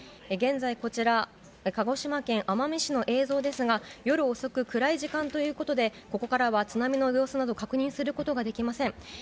現在こちら鹿児島県奄美市の映像ですが夜遅く暗い時間ということでここからは津波の様子など確認することができません。